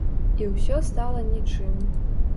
І ўсё стала нічым.